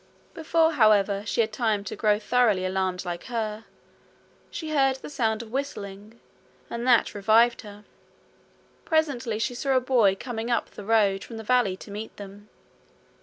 Before, however, she had time to grow thoroughly alarmed like her, she heard the sound of whistling, and that revived her. Presently she saw a boy coming up the road from the valley to meet them.